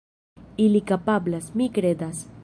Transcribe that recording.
Ili kapablas, mi kredas.